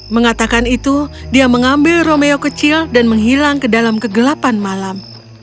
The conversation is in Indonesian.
mengatakan itu dia mengambil romeo kecil dan menghilang ke dalam kegelapan malam